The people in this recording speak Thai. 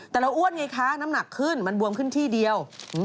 แต่เราอ้วนไงคะน้ำหนักขึ้นมันบวมขึ้นที่เดียว